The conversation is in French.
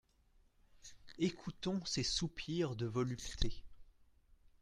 Ecoutons ces soupirs de volupté.